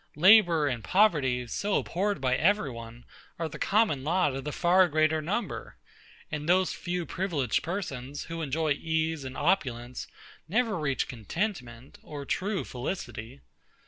Labour and poverty, so abhorred by every one, are the certain lot of the far greater number; and those few privileged persons, who enjoy ease and opulence, never reach contentment or true felicity.